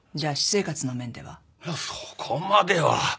いやそこまでは。